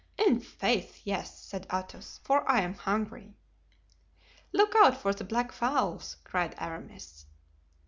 "I'faith, yes," said Athos, "for I am hungry." "Look out for the black fowls!" cried Aramis.